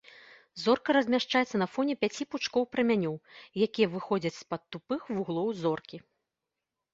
Зорка размяшчаецца на фоне пяці пучкоў прамянёў, якія выходзяць з-пад тупых вуглоў зоркі.